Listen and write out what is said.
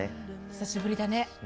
久しぶりだね。